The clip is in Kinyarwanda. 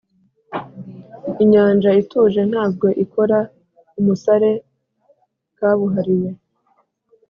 inyanja ituje ntabwo ikora umusare kabuhariwe